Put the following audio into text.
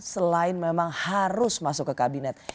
selain memang harus masuk ke kabinet